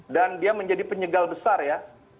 dan dia menjadi penyegal besar ya